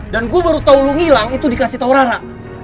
dan gue baru tau lo ngilang itu dikasih tau rara